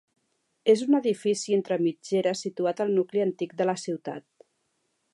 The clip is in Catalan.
És un edifici entre mitgeres situat al nucli antic de la ciutat.